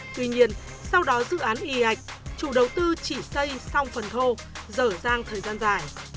tuy nhiên sau đó dự án y ạch chủ đầu tư chỉ xây xong phần thô dở dàng thời gian dài